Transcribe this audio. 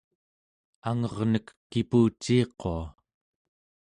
angernek kipuciiqua